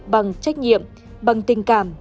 bằng trách nhiệm bằng tình cảm